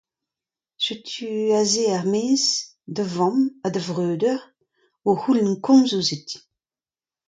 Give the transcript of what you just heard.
Setu aze er-maez da vamm ha da vreudeur o c'houlenn komz ouzhit.